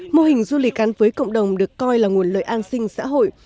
mô hình du lịch gắn với cộng đồng được coi là nguồn lợi an sinh xã hội